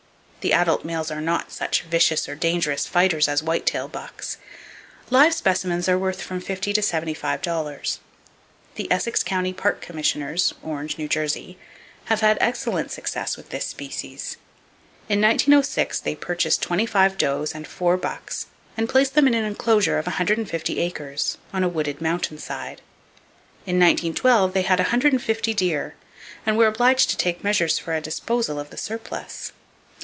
The adult males are not such vicious or dangerous fighters as white tail bucks. Live specimens are worth from $50 to $75. The Essex County Park Commissioners (Orange, New Jersey) have had excellent success with this species. In 1906 they purchased twenty five does and four bucks and placed them in an enclosure of 150 acres, on a wooded mountain side. In 1912 they had 150 deer, and were obliged to take measures for a disposal of the surplus.